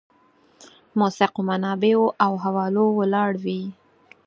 موثقو منابعو او حوالو ولاړ وي.